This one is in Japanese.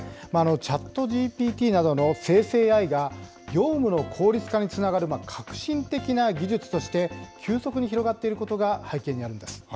チャットＧＰＴなどの生成ＡＩが、業務の効率化につながる革新的な技術として、急速に広がっていることが背景にあるんです。